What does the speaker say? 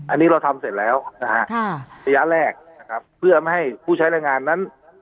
อันนี้เราทำเสร็จแล้วนะฮะระยะแรกนะครับเพื่อไม่ให้ผู้ใช้แรงงานนั้น